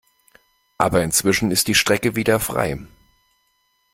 Aber inzwischen ist die Strecke wieder frei.